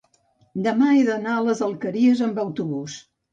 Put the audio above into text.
Demà he d'anar a les Alqueries amb autobús.